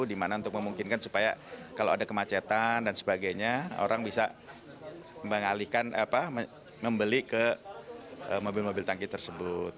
di mana untuk memungkinkan supaya kalau ada kemacetan dan sebagainya orang bisa membeli ke mobil mobil tangki tersebut